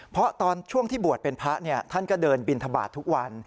เพราะตอนช่วงที่บวชเป็นพระท่านก็เดินบินทบาททุกวัน